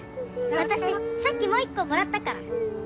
私さっきもう１個もらったから。